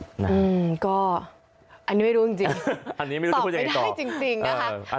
อืมก็อันนี้ไม่รู้จริงตอบไม่ได้จริงนะคะ